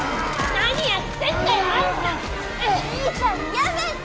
やめて！